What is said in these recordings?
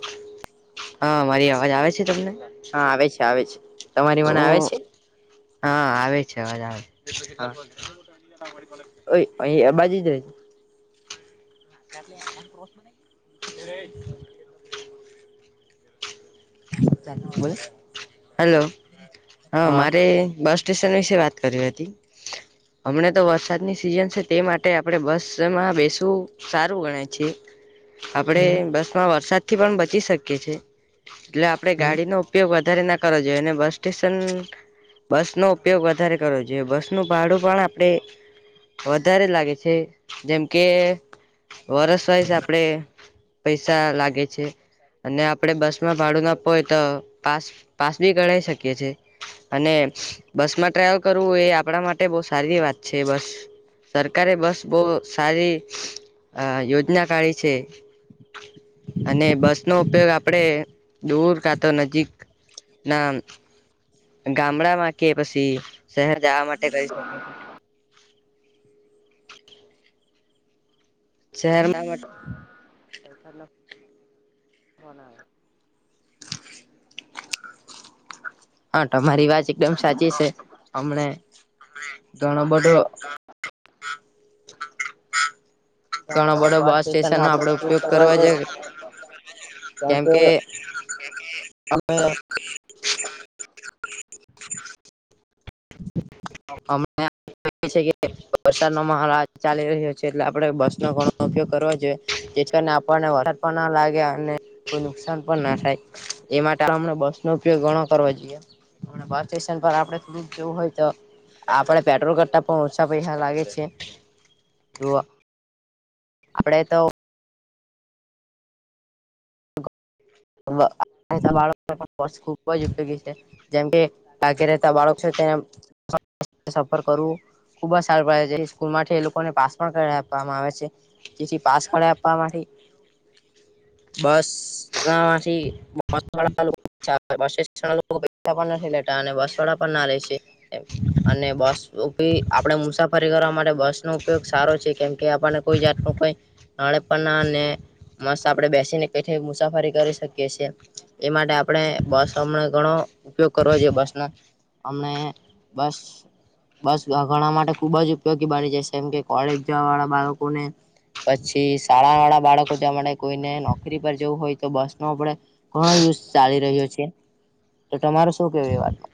હ [unintelligible] હા મારી અવાજ આવે છે તમને હા આવે છે આવે છે તમારી તો મને આવે છે હા આવે છે અવાજ આવે હા [unintelligible] ઓયે ઓયે એ આ બાજી જ એ બધા નોર્મલ હલો હા મારે બસ સ્ટેશન વિશે વાત કરીવી હતી. હમણા તો વરસાદની સિઝન છે તે માટે આપણે બસમાં બેસવું સારું ગણાય છીએ. આપડે બસ માં વરસાદ થી પણ બચી શકીએ છી. એટલે આપડે ગાડીનો ઉપયોગ વધારે ના કરવો જોઈએ અને બસ સ્ટેશન બસ નો ઉપયોગ વધારે કરવો જોઈએ બસ નું ભાડું પણ આપડણે વધારે લાગે છે, જેમ કે વરસ વાઈસ આપડે પૈસા લાગે છે અને આપડે બસ માં ભાડું ના આપવુ હોય તો પાસ પાસ બી ગણાઇ શકીએ છી અને બસ માં ટ્રાવલ કરવું એ આપ આપડા માટે બહુ સારી વાત છે બસ સરકારે બસ બહુ સારી યોજના કાઢી છે. અને બસ નો ઉપયોગ આપ આપણે દૂર કાતો નજીકના ગામડા માં કે પછી શહેર જવા માટે કરી શકો. [unintelligible] શહેરના ના હા તમારી વાત એકદમ સાચી છે હમને દણો ઘણો બડો. બધો [unintelligible] ઘણા બધો બસ સ્ટેશન નો આપડે ઉપયોગ કરવા જોય કેમ કે અમે અમને છે કે વરસાદ નો મહોલ આજ ચાલી રહ્યો છે. એટલે આપણે બસ નો ઘણો ઉપયોગ કરવા જોઈએછે ને આપણને વરસાદ પણ ના લાગે અને કોઈ નુકશાન પર ના થાય. એ માટેમને બસ નો ઉપયોગ ઘણો કરવો જોઈએમ બસ સ્ટેશન પર આપડણે દૂર જવું હોય તો આપડે પેટ્રોલ કરતા પણ ઓછા પૈસા લાગે છે. તો આપડે તો બાળ ખુબ જ ઉપયોગી છે જેમ કે તાક રહતા બાળકો છે. તે [inaudible] સફર કરું ખુબ જ સારું પડે છે જે સ્કૂલ એ લોકોને પાસ પણ કરાઈ આપવામાં આવે છે જેથી પાસ કરય આપવા માટે [unintelligible] બસ તથી. [unintelligible] લોકો બે [unintelligible] નથી લેતા અને બસ વાળા પણ ના રહેે છે. અને બસ ઉપ [unintelligible] આપણે મુસાફરી કરવા માટે બસ નો ઉપયોગ સારો છે કેમ કે આપણને કોઈ જાત નાને પણાને મસ્ત આપડે બેસીને કઈ થઈ મુસાફરી કરી શકીએ છીએ માટે આપણે બસ ઘણો ઉપયોગ કરવો જોઈએ બસ નો હમને બસ બસ ઘણા માટે ખુબ જ ઉપયોગી બની જશેએમ કે કોલેજ જવા વાળા બાળકોને પછી શાળા વાળા બાળકો જવા માટે કોઈને નોકરી પર જવું હોય તો બસ નો આપડે ઘણો યુઝ ચાલી રહ્યો છે. તો તમારું શું કેવું એ વાતમાં?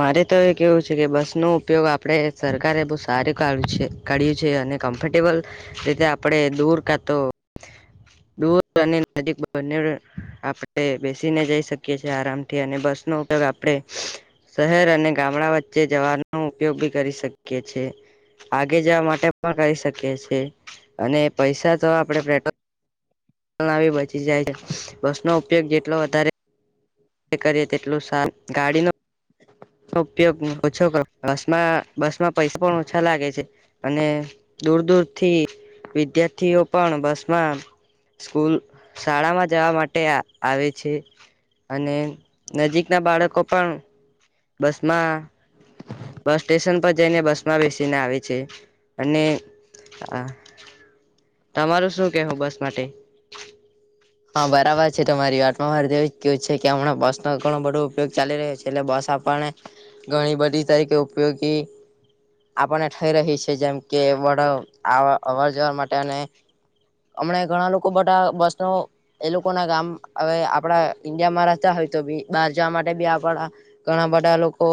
મારે તો એ કેવું છે કે બસ નો ઉપયોગ આપ આપણેે સરકારે બો સારું કાય છે, ક છે, અને કમ્ફર્ટેબલ રીતે આપણે દૂર કાતો દૂર અને નજીક બનેવ આપ ણે બેસીને જઈ શકીએ છે, આરામથી અને બસનો ઉપયોગ આપણે શહેર અને ગામડા વચ્ચે જવાનો ઉપયોગ બી કરી શકીએ છે. આગે જવા માટે પણ કરી શકીએ અને પૈસા તો આપણે પેટ્રો આવી બચી જાય છે, બસનો ઉપયોગ જેટલો વધારે કરીએ તેટલું સારુ ગાડીનો ઉપયોગ ઓછો કરો બસમાં બસમાં પૈસા પણ ઓછા લાગે છે, અને દૂર દૂરથી વિદ્યાર્થીઓ પણ બસમાં સ્કૂલ શાળામાં જવા માટે આવે છે. અને નજીકના બાળકો પણ બસમાં બસ સ્ટેશન પર જઈને બસમાં બેસીને આવે છે, અને હા તમારું શું કેવું બસ માટે? હા બરાબર છે, તમારી વાતમા હર દેવી કયો છે, કે હમણા બસનો ઘણો બધો ઉપયોગ ચાલી રહ્યો છે, એટલે બસ આપને ઘણી બધી તરીકે ઉપ યોગી. આપણને થઈ રહી છે, જેમ કે વધ આ અવર જવર માટે અને હમણા ઘણા લોકો બધા બસનો એ લોકો ના ગામ હવે આપડા ઈન્ડિયામાં રહેતા હોય તો બી બહાર જવા માટે બી આપડા ઘણા બધા લોકો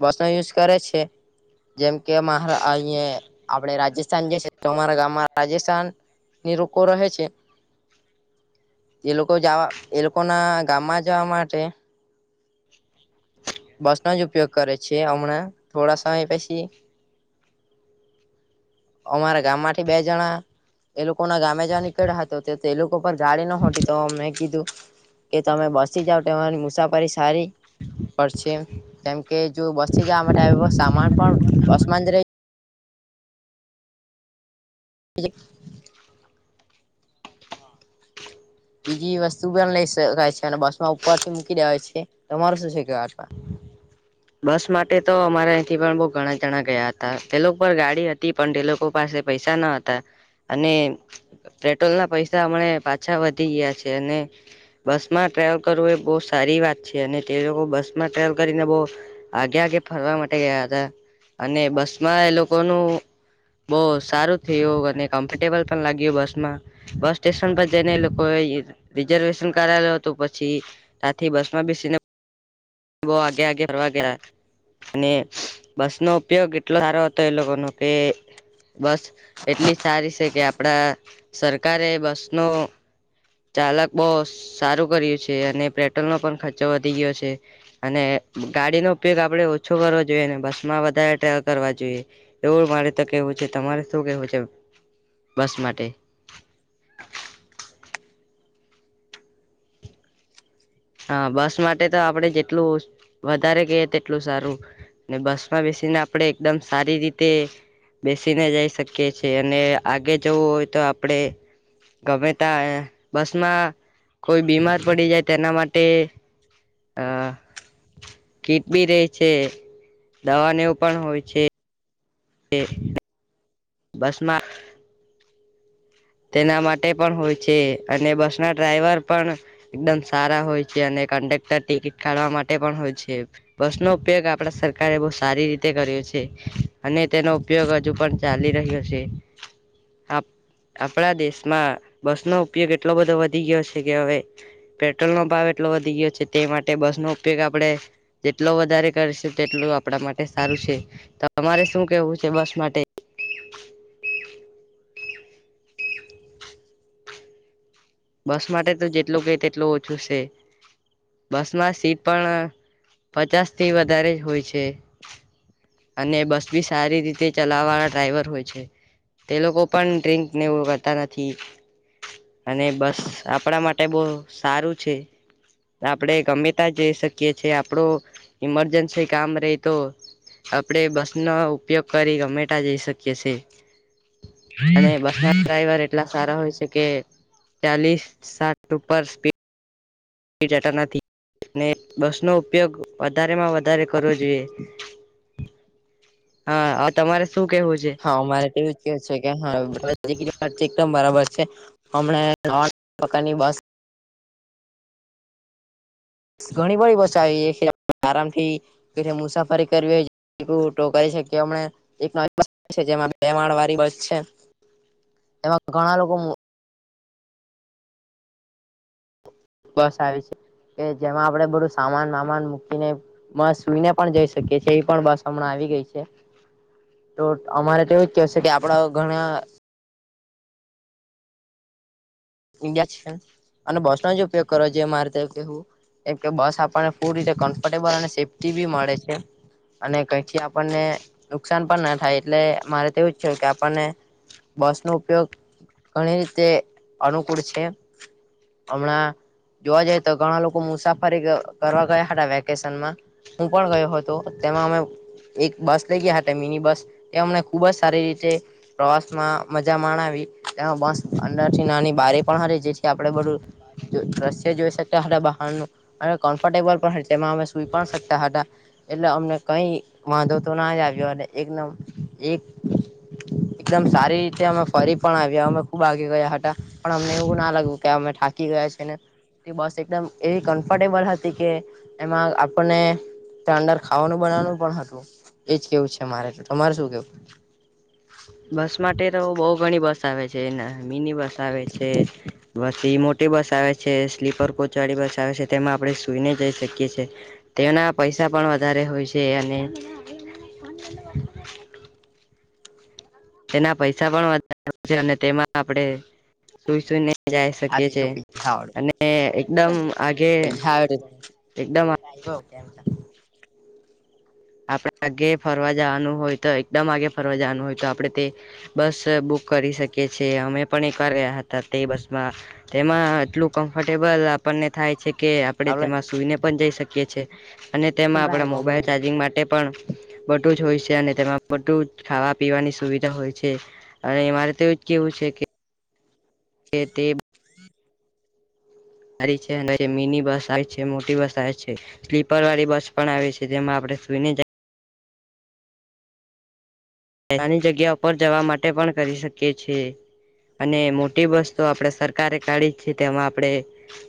બસનો યુઝ કરે છે. જેમ કે મારા અંયા આપડે રાજસ્થાન જે છે, તમરા ગામમાં રાજસ્થાન નિરોકો રહે છે. એ લોકો જવા એ લોકોના ગામમાં જવા માટે બસનો જ ઉપયોગ કરે છે, હમણાં થોડા સમય પછી અમારા ગામમાંથી બે જણા એ લોકો ના ગામે જવા નીકળયા હતો તે લોકો પર ગાડી નહોતી તો મેં કીધું કે તમે બસી જાવ તમારી મુસાફરી સારી પડ છે, કેમ કે જો બસથી જવા માટે આવી સામાન પણ બસમા જ રેય [unintelligible] બીજી વસ્તુ બી એમ લઈ શકાય છે, અને બસમાં ઉપરથી મૂકી દેવાય છે, તમારું શું છે કે આ વાતમાં બસ માટે તો અમારા અંયથી પણ બો ઘણા જણા ગયા હતા તે લોકો પર ગાડી હતી પણ તે લોકો પાસે પૈસા ના હતા અને પેટ્રોલ ના પૈસા હમણા પાછા વધી ગયા છે. અને બસમાં ટ્રેવલ કરવું એ બો સારી વાત છે, અને તે લોકો બસમાં ટ્રેવલ કરીને બો આગે આગે ફરવા માટે ગયા હતા અને બસમાં એ લોકોનું બો સારું થયું અને કમ્ફર્ટેબલ પણ લાગ્યું બસમાં બસ સ્ટેશન પર જઈને એ લોકોએ રિઝર્વેશન કરાવ્યું હતુ પછી તાથી બસમાં બેસીને બો આગે આગે ફરવા ગયા અને બસનો ઉપયોગ એટલો સારો હતો એ લોકોનો કે બસ એટલી સારી છે, કે આપડા સરકારે બસનો ચાલક બહુ સારું કર્યું છે, અને પેટ્રોલનો પણ ખર્ચો વધી ગયો છે, અને ગાડીનો ઉપયોગ આપડે ઓછો કરવો જોઈએ ને બસમાં વધારે ટ્રાવેલ કરવા જોઈએ એવું મારે તો કે વુ છે, તમારે શું કેવું છે, બસ માટે હા બસ માટે તો આપડે જેટલું વધારે કેયે તેટલું સારું ને બસમાં બેસીને આપણેે એકદમ સારી રીતે બેસીને જઈ શકીએ છીએ અને આગે જવું હોય તો આપણે ગમે તા બસમાં કોઈ બીમાર પડી જાય તેના માટે હા કીટ ભી રેય છે. દવાને એવું પણ હોય છે. એ. બસમાં. તેના માટે પણ હોય છે, અને બસ ના ડ્રાઈવર પણ એકદમ સારા હોય છે, અને કંડક્ટર ટિકિટ કાઢવા મા ટે પણ હોય છે, બસ નો ઉપયોગ આપડા સરકારે બહુ સારી રીતે કર્યો છે, અને તેનો ઉપયોગ હજુ પણ ચાલી રહ્યો છે, આપ આપણા દેશમાં બસ નો ઉપયોગ એટલો બધો વધી ગયો છે, કે હવે પેટ્રોલનોો ભાવ એટલો વધી ગયો છે, તે માટે બસનો ઉપયોગ આપણે જેટલો વધારે કરશુ તેટલુ આપણા માટે સારું છે. તમારે શું કેવું છે, બસ માટે? બસ માટે તો જેટલું કેય તેટલું ઓછું છે. બસમાં સીટ પણ પચાસથી વધારે જ હોય છે. અને બસ બી સારી રીતે ચલાવવાળા ડ્રાઈવર હોય છે. તે લોકો પણ ડ્રિકને એવું કરતા નથી અને બ સ આપણા માટે બો સારું છે, આપડે ગમેતા જઈ શકીએ છે, આપડો ઇમરજન્સી કામ રેય તો આપણે બસનો ઉપયોગ કરી ગમેટા જઈ શક કીએ છે, અને બસના ડ્રાઈવર એટલા સારા હોય છે, કે ચાલીસ સાઠ ઉપર સ્પી થી જતા નથી. ને બસનો ઉપયોગ વધારેમાં વધારે કરવો જોઈએ હા અ તમારે શું કેવું છે હા અમારે તો એવું જ કે છે [unintelligible] બરાબર છે, હમણા ત્રણ પ્રકારની બસ ઘણી બડી બસ [unintelligible] આરામ થી મુસાફરી કરવી હોય તો કરી શકીએ [unintelligible] એક જેમાં બે મા વાળી બસ છે. એમાં ઘણા લોકો બસ આવે છે. કે જેમાં આપડે બધું સામાન વામાન મૂકીને મસ સુઈને પણ જઈ શકીએ એ પણ બસ હમણાં આ વી ગઈ છે, તો અમારે તોવું જ કે છે, કે આપડા ઘણા ઇન્ડિયા છે, અને બસનો જ ઉપયોગ કરો જે મારે ત એવુ કેહેવું એમ કે બસ આપણને પૂરી રીતે કમ્ફર્ટેબલ અને સેફ્ટી બી મળે છે. અને કઈથી આપણને નુકસાન પણ ના થાય એટલે મારે તો એવું જ કેવુ આપણને બસનો ઉપયોગ ઘણી રીતે અનુકૂળ છે. અમણાં જોવા જઈ તો ઘણા લોકો મુસાફરી ક કરવા ગયા હતા વેકેશનમાં હું પણ ગયો હતો તેમાં અમે એક બસ લઈ ગયા હતા મિની બસ એ અમને ખુબ જ સારી રીતે પ્રવાસ માં મજા માણાવી તેમાં બસ અંદરથી નાની બારી પણ હતી જેથી આપણેે બધું દ્રશ્ય જોઈ શકતા હતા બહારનું અને કમ્ફર્ટેબલ પણ હ તેમાં અમે સુઈ પણ શકતા હતા. એટલે અમને કઈ વાંધો તો ના જ આવ્યો અને એકદમ એક એકદમ સારી રીતે અમે ફરી પણ આવ્યા અમે ખુબ આગે ગયા હ તા પણ અમને એવું ના લાગ્યું કે અમે થાકી ગયા છે, ને એ બસ એકદમ એવી કમ્ફર્ટેબલ હતી કે એમાં આપણને તયા અંદર ખાવાનું બનાવાનું પણ હતું એજ કેવું છે, મારે તો તમારે શું કેવું? બસ માટે તો બો ઘણી બસ આવે છે, ના મિની બસ આવે છે, પછી મોટી બસ આવે છે, સ્લીપર કોચ વાળી બસ આવે છે, તેમાં આપણે સુઈને જઈ શકીએ છે તેના પૈસા પણ વધારે હોય છે, અને તેના પૈસા પણ વધારે છે, અને તેમાં આપણે સુઈ સુઈને જાય આ શકી છે, પેલું પૈસા વાળું અને એકદમ આધે પૈસા [inaudible] આપડા આગે ફરવા જવાનું હોય તો એકદમ આધે ફરવા જવાનું હોય તો આપડે તે બસ બુક કરી શકીએ છે અમે પણ એક વાર ગયા હતા તે બસમાં તેમાં એટલું કમ્ફર્ટેબલ આ પને થાય છે કે આપણે તેમાં સુઈને પણ જઈ શકીએ છે અને તેમાં આપણા મોબાઈલ આવ્યો ચાર્જિંગ માટે પણ બધું જ હોય છે અને તેમાં બધું જ ખાવા પીવાની સુવિધા હોય છે અને મારે તોએવું જ કેવું છે કે કે તે સારી છે મિની બસ આવે છે મોટી બસ આવે છે સ્લીપર વાળી બસ પણ આવે છે જેમાં આપડે સુઈને જાય નાની જગ્યા પર જવા માટે પણ કરી શકીએ છે. અને મોટી બસ તો આપણેે સરકારે કાઢી છે તેમાં આપણે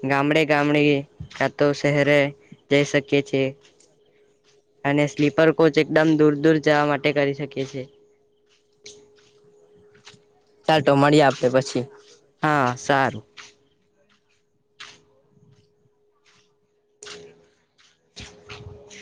ગામડે ગામડે કા તો શહેરે જઈ શકીએ છે. અને સ્લીપર કોચ એકદમ દૂર દૂર જવા માટે કરી શકીએ છીએ. ચાલતો મળીસે આપડે પછી. હા સારું. [inaudible]